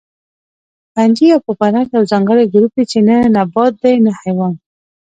فنجي یا پوپنک یو ځانګړی ګروپ دی چې نه نبات دی نه حیوان